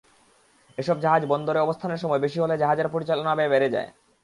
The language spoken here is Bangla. এসব জাহাজ বন্দরে অবস্থানের সময় বেশি হলে জাহাজের পরিচালনাব্যয় বেড়ে যায়।